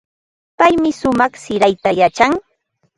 Paymi shumaq sirayta yachan.